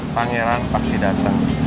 pangeran pasti datang